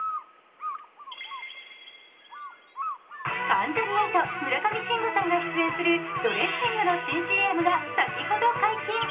関ジャニ∞・村上信五さんが出演するドレッシングの新ＣＭが先ほど解禁。